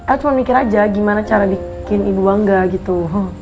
at cuma mikir aja gimana cara bikin ibu angga gitu